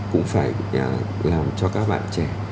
cũng phải làm cho các bạn trẻ